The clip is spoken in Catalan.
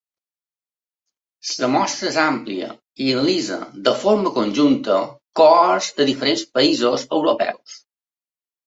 La mostra és àmplia i analitza de forma conjunta cohorts de diferents països europeus.